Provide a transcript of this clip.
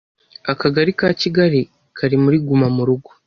Akagali ka Kigali kari muri guma murugo